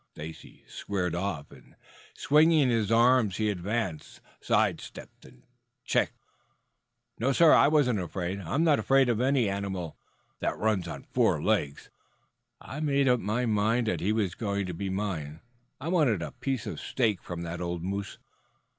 Stacy squared off, and swinging his arms he advanced, sidestepped and ducked. "No, sir. I wasn't afraid. I'm not afraid of any animal that runs on four legs. I made up my mind that he was going to be mine. I wanted a piece of steak from that old moose."